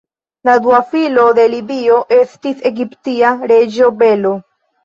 La dua filo de Libio estis egiptia reĝo Belo.